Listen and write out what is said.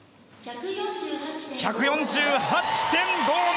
１４８．５７！